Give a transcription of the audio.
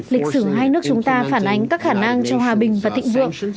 lịch sử hai nước chúng ta phản ánh các khả năng cho hòa bình và thịnh vượng